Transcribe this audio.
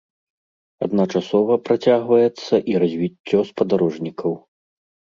Адначасова працягваецца і развіццё спадарожнікаў.